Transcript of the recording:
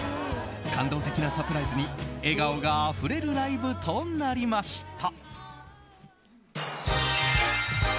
感動的なサプライズに笑顔があふれるライブとなりました。